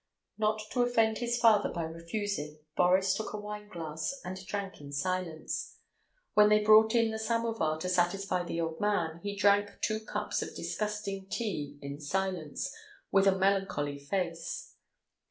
Not to offend his father by refusing, Boris took a wineglass and drank in silence. When they brought in the samovar, to satisfy the old man, he drank two cups of disgusting tea in silence, with a melancholy face.